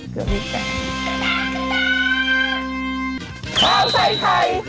เวลาใส่ไทย